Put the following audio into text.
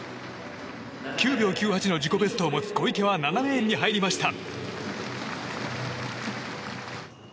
９秒９８の自己ベストを持つ小池は７レーンに入りました。